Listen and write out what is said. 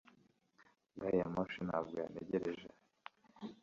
gari ya moshi ntabwo yantegereje